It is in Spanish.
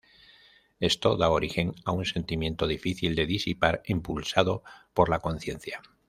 Esto da origen a un sentimiento difícil de disipar impulsado por la conciencia.